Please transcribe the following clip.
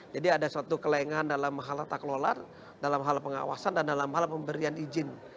jadi ada suatu kelengahan dalam hal taklolar dalam hal pengawasan dan dalam hal pemberian izin